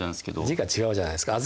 字が違うじゃないですか。